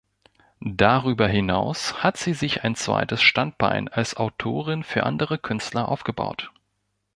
Darüber hinaus hat sie sich ein zweites Standbein als Autorin für andere Künstler aufgebaut.